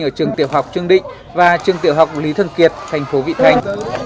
ở trường tiểu học trương định và trường tiểu học lý thân kiệt thành phố vị thanh